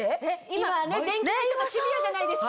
今電気代とかシビアじゃないですか。